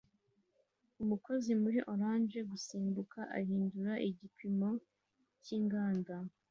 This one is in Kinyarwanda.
Umukozi muri orange gusimbuka ahindura igipimo cyinganda